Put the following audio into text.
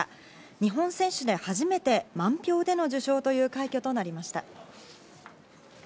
日本選手で初めて満票での受賞という快挙となりました。